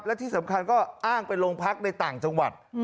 และที่สำคัญก็อ้างไปโรงพักในต่างจังหวัด